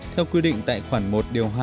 theo quy định tại khoản một điều hai